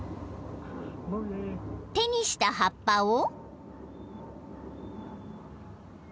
［手にした葉っぱを］